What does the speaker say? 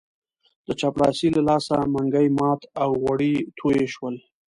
د چپړاسي له لاسه منګی مات او غوړي توی شول.